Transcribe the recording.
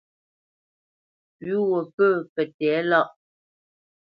Pʉ̌ wo pə̂ pə tɛ̌lâʼ lâ.